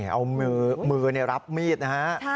เอามือรับมีดนะฮะ